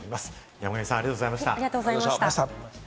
山神さん、ありがとうございました。